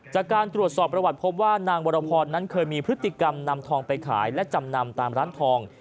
จากการตรวจสอบประวัติพบว่านางวรพรนั้นเคยมีพฤติกรรมนำทองไปขายและจำนำตามร้านทอง